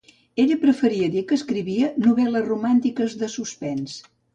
Ella preferia dir que escrivia "novel·les romàntiques de suspens".